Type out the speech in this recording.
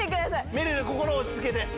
めるる心を落ち着けて。